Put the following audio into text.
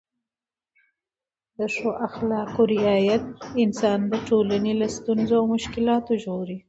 د ښو اخلاقو رعایت انسان د ټولنې له ستونزو او مشکلاتو ژغوري.